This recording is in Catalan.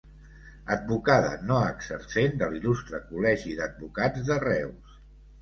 Advocada no exercent de l'Il·lustre Col·legi d'Advocats de Reus.